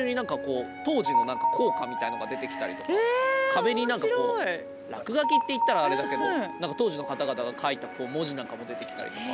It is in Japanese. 壁になんかこう落書きって言ったらあれだけどなんか当時の方々が書いた文字なんかも出てきたりとか。